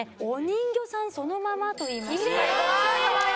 お人形さんそのままといいますか。